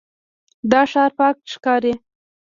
دا ښار پاک ښکاري.